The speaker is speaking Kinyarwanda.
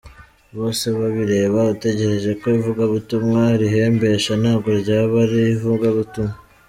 Bosebabireba utegereje ko ivugabutumwa arihembesha ntabwo ryaba ari ivugabutumwa.